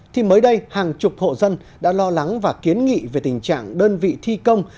thì mới đây hàng chục hộ dân đã lo lắng và kiến nghị về tình trạng đơn vị thi công